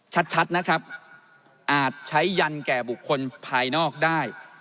ชัดนะครับอาจใช้ยันแก่บุคคลภายนอกได้